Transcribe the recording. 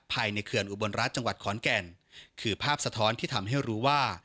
ในเขื่อนอุบลรัฐจังหวัดขอนแก่นคือภาพสะท้อนที่ทำให้รู้ว่า